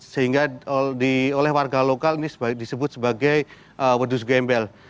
sehingga oleh warga lokal ini disebut sebagai wadus gembel